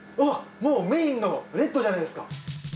もうメインのレッドじゃないですか。